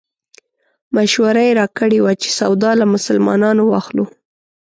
مشوره یې راکړې وه چې سودا له مسلمانانو واخلو.